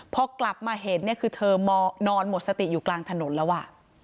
พอกลับมาเห็นเนี่ยคือเธอนอนหมดสติอยู่กลางถนนแล้วอ่ะ